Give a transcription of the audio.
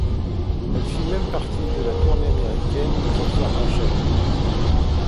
Elle fit même partie de la tournée américaine de sa sœur Rachel.